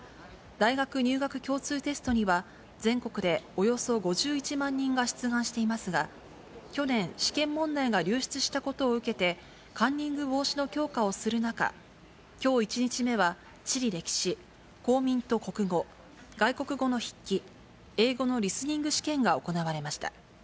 大学入学共通テストには、全国でおよそ５１万人が出願していますが、去年、試験問題が流出したことを受けて、カンニング防止の強化をする中、きょう１日目は地理歴史、公民と国語、外国語の筆記、英語のリスニング試験が行われました。